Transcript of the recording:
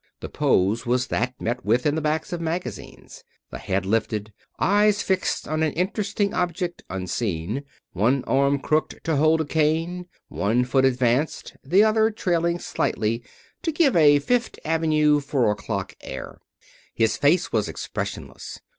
The pose was that met with in the backs of magazines the head lifted, eyes fixed on an interesting object unseen, one arm crooked to hold a cane, one foot advanced, the other trailing slightly to give a Fifth Avenue four o'clock air. His face was expressionless.